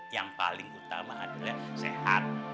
yang paling utama adalah sehat